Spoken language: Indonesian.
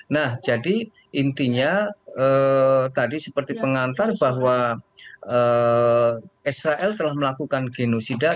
nah jadi intinya tadi seperti pengantar bahwa israel telah melakukan genosida